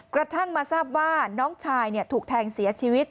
กระทั่งมาทราบว่าน้องชายถูกแทงเสียชีวิต